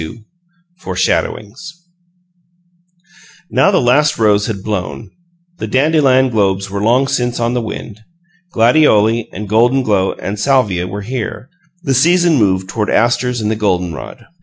XXII FORESHADOWINGS Now the last rose had blown; the dandelion globes were long since on the wind; gladioli and golden glow and salvia were here; the season moved toward asters and the goldenrod.